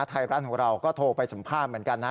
ไทยรัฐของเราก็โทรไปสัมภาษณ์เหมือนกันนะ